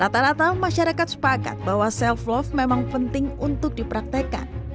rata rata masyarakat sepakat bahwa self love memang penting untuk dipraktekkan